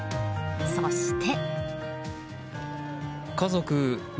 そして。